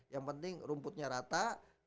yang penting rumputnya rata